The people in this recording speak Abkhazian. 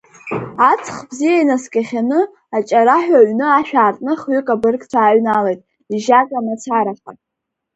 Аҵх бзиа инаскьахьаны, аҷараҳәа аҩны ашә аартны хҩык абыргцәа ааҩналеит, ижакьа мацараха.